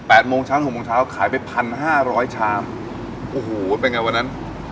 โมงเช้าหกโมงเช้าขายไปพันห้าร้อยชามโอ้โหเป็นไงวันนั้น